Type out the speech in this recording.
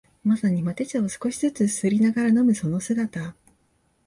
まさにマテ茶を少しづつすすりながら飲むその姿